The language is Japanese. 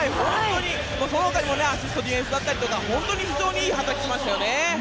そのほかにもアシスト、ディフェンスだったり非常にいい働きをしましたね。